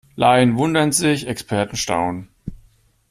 Laien wundern sich, Experten staunen.